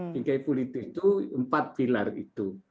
bingkai politis itu empat pilar itu